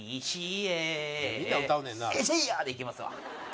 「せいや！」でいきますわ。